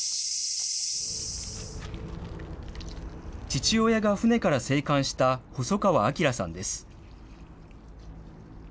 父親が船から生還した細川昭さんです。